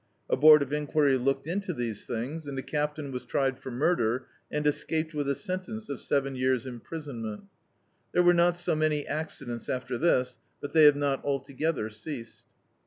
A board of en quiry looked into these things, and a captain was tried for murder, and escaped with a sentence of seven years' imprisonmenL There were not so many accidents after this, but they have not altogether ceased."